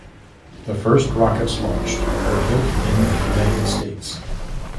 The first rockets launched were built in United States.